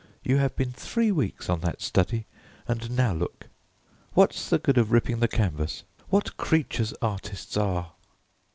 You have been three weeks on that study, and now look! What's the good of ripping the canvas? What creatures artists are!"